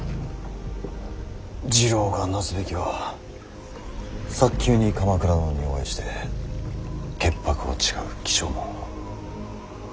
次郎がなすべきは早急に鎌倉殿にお会いして潔白を誓う起請文を。